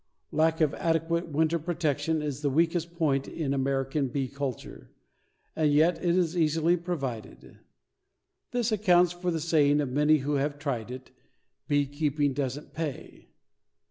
Lack of adequate winter protection is the weakest point in American bee culture, and yet is easily provided. This accounts for the saying of many who have tried it, "Beekeeping doesn't pay."